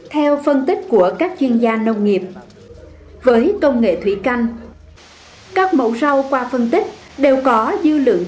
theo phân tích của các chuyên gia nông nghiệp với công nghệ thủy canh các mẫu rau qua phân tích đều có dư lượng